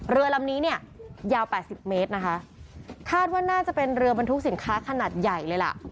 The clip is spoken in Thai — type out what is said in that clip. เรือลำนี้ยาว๘๐เมตรคาดว่าน่าจะเป็นเรือบรรทุกสินค้าขนาดใหญ่เลย